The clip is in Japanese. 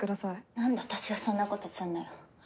なんで私がそんなことすんのよ。